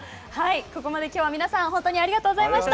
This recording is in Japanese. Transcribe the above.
ここまで、今日は皆さん本当にありがとうございました。